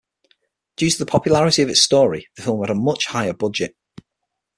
Due to the popularity of its story, the film had a much higher budget.